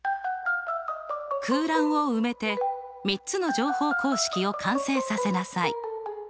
空欄を埋めて３つの乗法公式を完成させなさい。